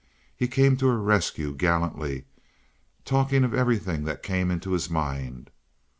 He came to her rescue gallantly, talking of everything that came into his mind.